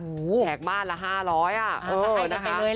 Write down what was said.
แขกบ้านละ๕๐๐บาท